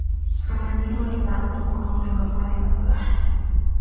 Su mandíbula está literalmente rota, por lo que no puede hablan.